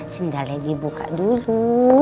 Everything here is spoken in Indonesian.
sandalnya dibuka dulu